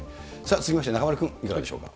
続きまして、中丸君、いかがでしょうか。